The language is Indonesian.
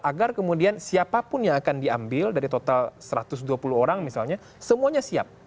agar kemudian siapapun yang akan diambil dari total satu ratus dua puluh orang misalnya semuanya siap